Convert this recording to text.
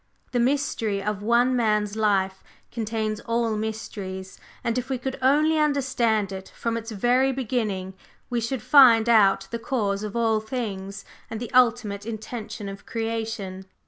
The mystery of one man's life contains all mysteries, and if we could only understand it from its very beginning we should find out the cause of all things, and the ultimate intention of creation."